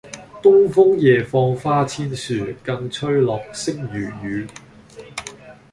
東風夜放花千樹，更吹落、星如雨